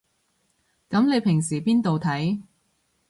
噉你平時邊度睇